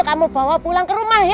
kamu bawa pulang ke rumah